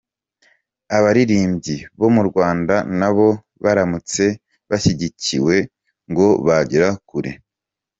Abaririmbyi bo mu Rwanda nabo baramutse bashyigikiwe ngo bagera kure.